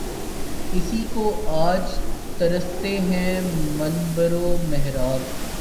اسی کو آج ترستے ہیں منبر و محراب